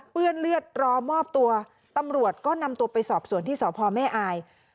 เปื้อนเลือดรอมอบตัวตำรวจก็นำตัวไปสอบสวนที่สภาพหัวแม่อายุ